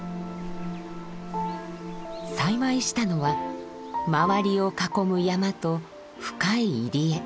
幸いしたのは周りを囲む山と深い入り江。